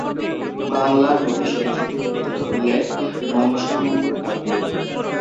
বাংলার নদী সরস্বতীর প্রথম উল্লেখ মনসামঙ্গল কাব্যে।